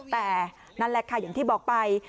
แต่นั่นแหละค่ะอย่างที่บอกไป